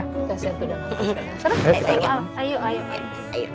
kasih aku dong